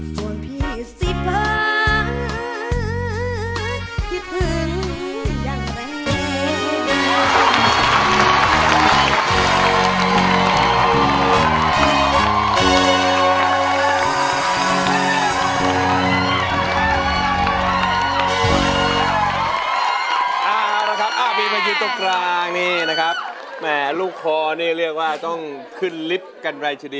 ขอพี่ก่อนขอวอนข้าน้อง